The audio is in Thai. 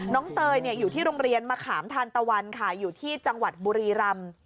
เตยอยู่ที่โรงเรียนมะขามทานตะวันค่ะอยู่ที่จังหวัดบุรีรำ